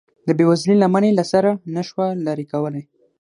د بې وزلۍ لمن یې له سره نشوه لرې کولی.